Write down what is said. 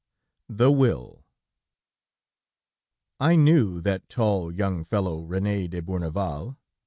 THE WILL I knew that tall young fellow, René de Bourneval.